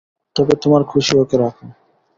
তবে তোমার খুশি ওকে রাখো।